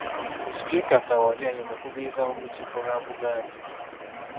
Sipiika Kawalya ye mukubiriza w’Olukiiko lwa Buganda.